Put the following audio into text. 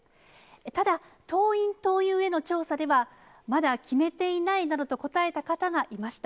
ただ、党員・党友への調査では、まだ決めていないなどと答えた方がいました。